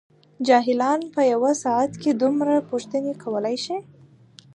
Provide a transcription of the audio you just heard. جاهلان په یوه ساعت کې دومره پوښتنې کولای شي.